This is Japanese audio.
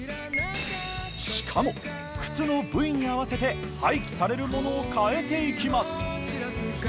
しかも靴の部位に合わせて廃棄されるものを変えていきます。